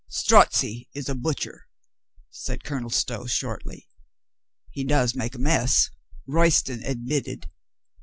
"Strozzi is a butcher," said Colonel Stow shortly. "He does make a mess," Royston admitted.